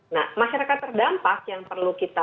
nah masyarakat terdampak yang perlu kita